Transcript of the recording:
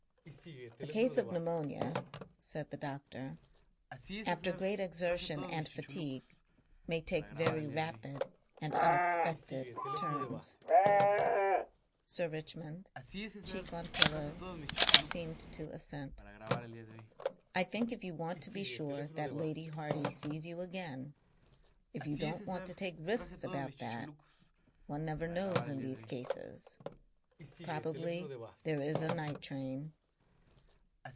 "A case of pneumonia," said the doctor, "after great exertion and fatigue, may take very rapid and unexpected turns." Sir Richmond, cheek on pillow, seemed to assent. "I think if you want to be sure that Lady Hardy sees you again ... If you don't want to take risks about that ... One never knows in these cases. Probably there is a night train."